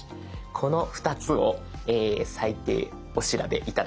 この２つを最低お調べ頂きたい。